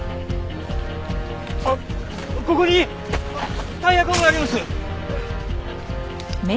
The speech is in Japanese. あっここにタイヤ痕があります！